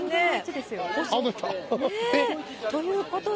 ということで。